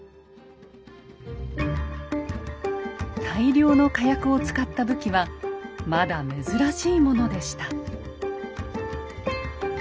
大量の火薬を使った武器はまだ珍しいものでした。